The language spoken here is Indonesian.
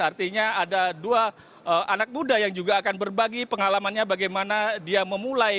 artinya ada dua anak muda yang juga akan berbagi pengalamannya bagaimana dia memulai